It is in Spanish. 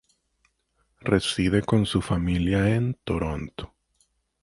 Reside con su familia en Toronto.